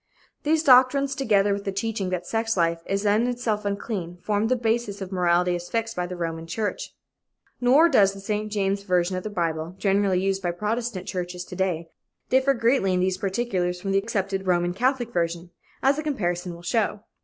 These doctrines, together with the teaching that sex life is of itself unclean, formed the basis of morality as fixed by the Roman church. Nor does the St. James version of the Bible, generally used by Protestant churches to day, differ greatly in these particulars from the accepted Roman Catholic version, as a comparison will show.